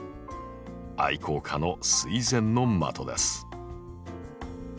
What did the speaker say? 愛好家の垂涎の的です。